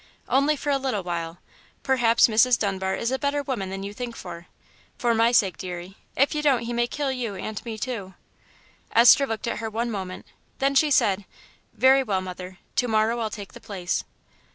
"Only for a little while. Perhaps Mrs. Dunbar is a better woman than you think for. For my sake, dearie. If you don't he may kill you and me too." Esther looked at her one moment, then she said, "Very well, mother, to morrow I'll take the place."